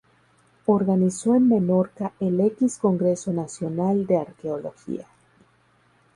Organizó en Menorca el X Congreso Nacional de Arqueología.